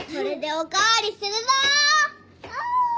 お。